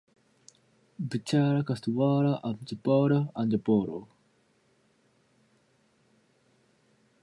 Current industry includes the Anchor plastics company and the American Railcar Company.